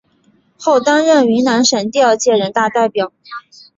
后担任云南省第二届人大代表。